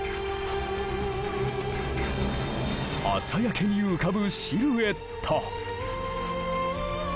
朝焼けに浮かぶシルエット。